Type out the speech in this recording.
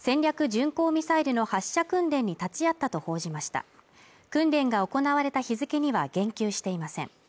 巡航ミサイルの発射訓練に立ち会ったと報じました訓練が行われた日付には言及していません